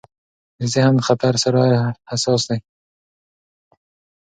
ذهن د خطر سره حساس دی.